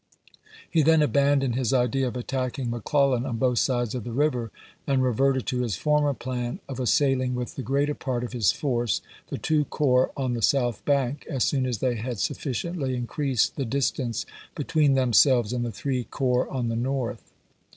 He then abandoned his idea of attacking McClellan on both sides of the river, and reverted to his former plan of assailing with the greater part of his force the two corps on the south bank as soon as they had sufficiently in creased the distance between themselves and the three corps on the north.